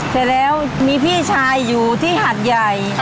แต่ล่ะพี่ชายอยู่ที่หาดใหญ่